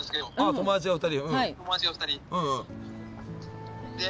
友達が２人。